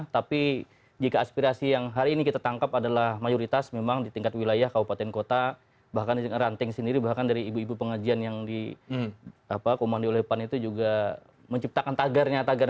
tapi jika aspirasi yang hari ini kita tangkap adalah mayoritas memang di tingkat wilayah kabupaten kota bahkan ranting sendiri bahkan dari ibu ibu pengajian yang dikomandi oleh pan itu juga menciptakan tagarnya tagar